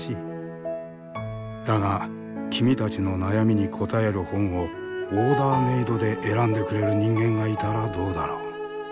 だが君たちの悩みに答える本をオーダーメードで選んでくれる人間がいたらどうだろう？